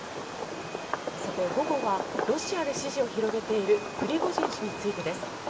午後はロシアで支持を広げているプリゴジン氏についてです。